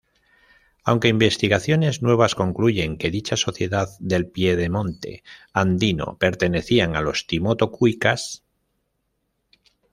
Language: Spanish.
Aunque investigaciones nuevas concluyen que dicha sociedad del piedemonte andino, pertenecían a los Timoto-cuicas.